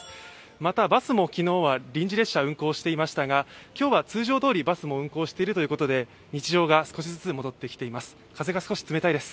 また、バスも昨日は臨時で運行していましたが今日は通常どおりバスも運行しているということで日常が少しずつ戻ってきています。